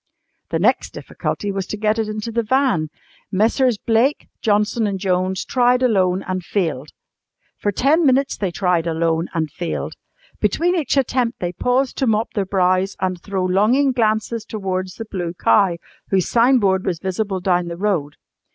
The next difficulty was to get it into the van. Messrs. Blake, Johnson and Jones tried alone and failed. For ten minutes they tried alone and failed. Between each attempt they paused to mop their brows and throw longing glances towards the Blue Cow, whose signboard was visible down the road.